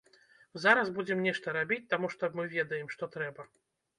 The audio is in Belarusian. Зараз будзем нешта рабіць, таму што мы ведаем, што трэба.